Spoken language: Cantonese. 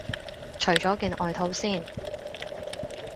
除咗件外套先